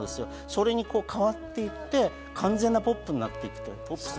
それに変わっていって完全なポップになっていくと。